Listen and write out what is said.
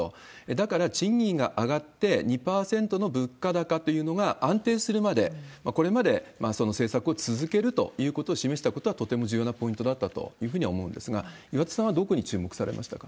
だから、賃金が上がって、２％の物価高というのが安定するまで、これまでその政策を続けるということを示したことはとても重要なポイントだったというふうには思うんですが、岩田さんはどこに注目されましたか？